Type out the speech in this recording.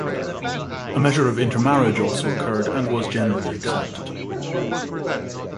A measure of intermarriage also occurred and was generally accepted.